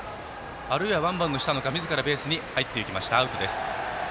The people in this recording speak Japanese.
あるいはワンバウンドしたのかみずからベースに入っていきました、アウトです。